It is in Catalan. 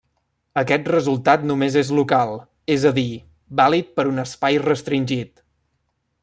Aquest resultat només és local, és a dir, vàlid per un espai restringit.